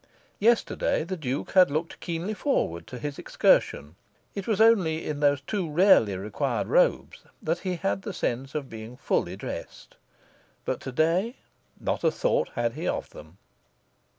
Yesterday the Duke had looked keenly forward to his excursion. It was only in those too rarely required robes that he had the sense of being fully dressed. But to day not a thought had he of them.